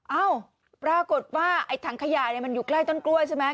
เอ้าปรากฏว่าไอ้ถังขยะมันอยู่ใกล้ต้นกล้วยใช่ไหม